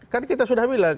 kan kita sudah bilang